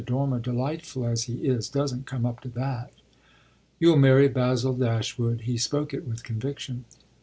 Dormer, delightful as he is, doesn't come up to that." "You'll marry Basil Dashwood." He spoke it with conviction.